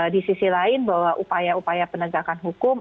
di sisi lain bahwa upaya upaya penegakan hukum